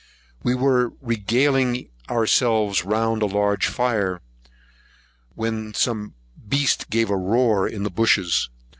While we were regaling ourselves round a large fire, some wild beast gave a roar in the bushes.